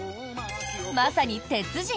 まさに鉄人。